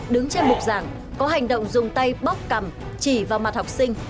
đứng trên mục giảng có hành động dùng tay bóp cằm chỉ vào mặt học sinh